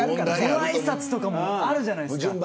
ごあいさつとかもあるじゃないですか。